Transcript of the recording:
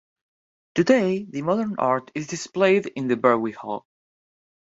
Today the modern art is displayed in the Verweyhal.